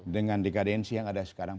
dengan dekadensi yang ada sekarang